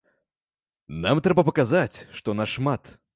Нам трэба паказаць, што нас шмат.